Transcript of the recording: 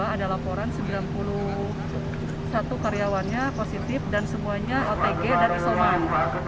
ada laporan sembilan puluh satu karyawannya positif dan semuanya otg dan isoman